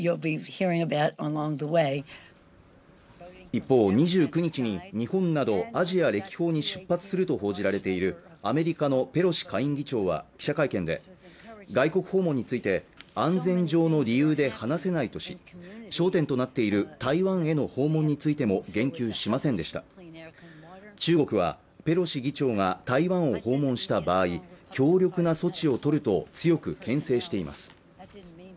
一方２９日に日本などアジア歴訪に出発すると報じられているアメリカのペロシ下院議長は記者会見で外国訪問について安全上の理由で話せないとし焦点となっている台湾への訪問についても言及しませんでした中国はペロシ議長が台湾を訪問した場合強力な措置を取ると強くけん制しています